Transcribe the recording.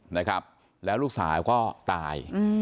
นะครับแล้วลูกสาวก็ตาย